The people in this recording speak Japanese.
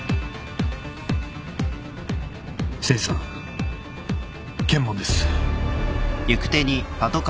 誠司さん検問です。